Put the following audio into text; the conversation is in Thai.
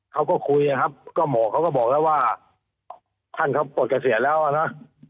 เขาก็คุยครับก็หมอเขาก็บอกแล้วว่าท่านเขาปวดกระเสียแล้วนะ